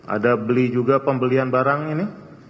ada beli juga pembelian barang ini